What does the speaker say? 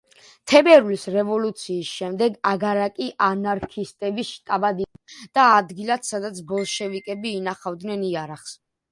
თებერვლის რევოლუციის შემდეგ აგარაკი ანარქისტების შტაბად იქცა და ადგილად სადაც ბოლშევიკები ინახავდნენ იარაღს.